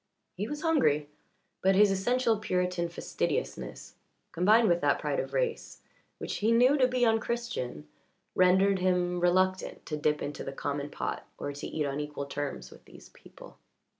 He was hungry, but his essential Puritan fastidiousness, combined with that pride of race which he knew to be un Christian, rendered him reluctant to dip into the common pot or to eat on equal terms with these people.